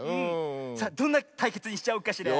さあどんなたいけつにしちゃおうかしら。